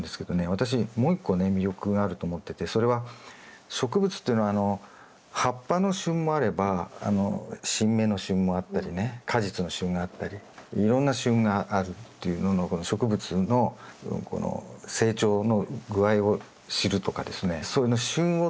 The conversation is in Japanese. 私もう一個ね魅力があると思っててそれは植物っていうのは葉っぱの旬もあれば新芽の旬もあったりね果実の旬があったりいろんな旬があるっていうのの植物の成長の具合を知るとかですね。